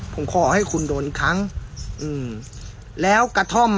ผมขอให้คุณโดนอีกครั้งอืมแล้วกระท่อม